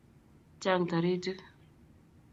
chang' toritik